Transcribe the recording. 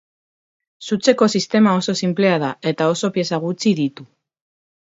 Sutzeko sistema oso sinplea da eta oso pieza gutxi ditu.